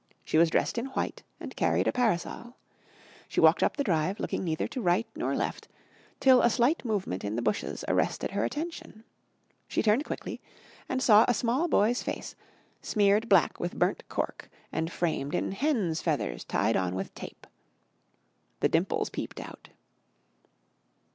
She was dressed in white and carried a parasol. She walked up the drive, looking neither to right nor left, till a slight movement in the bushes arrested her attention. She turned quickly and saw a small boy's face, smeared black with burnt cork and framed in hens' feathers tied on with tape. The dimples peeped out.